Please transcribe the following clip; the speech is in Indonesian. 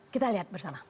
kita lihat bersama